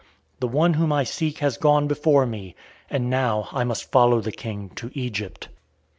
The one whom I seek has gone before me; and now I must follow the King to Egypt."